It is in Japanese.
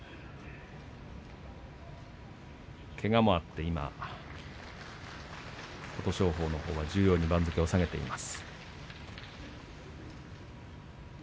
けがもあって琴勝峰のほうは十両に番付を下げています。